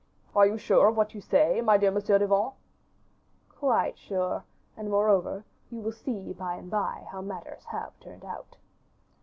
"Are you sure of what you say, my dear Monsieur de Vannes?" "Quite sure, and, moreover, you will see by and by how matters have turned out."